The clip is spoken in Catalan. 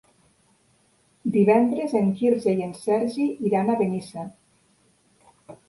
Divendres en Quirze i en Sergi iran a Benissa.